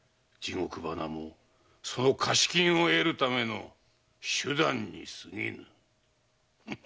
地獄花もその貸し金を得るための手段に過ぎぬ。